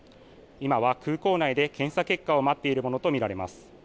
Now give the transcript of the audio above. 今は空港内で、検査結果を待っているものと見られます。